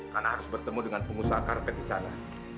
karena harus bertemu dengan pengusaha karpet di sana